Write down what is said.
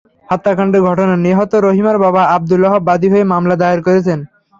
হত্যাকাণ্ডের ঘটনায় নিহত রহিমার বাবা আবদুল ওহাব বাদী হয়ে মামলা দায়ের করেছেন।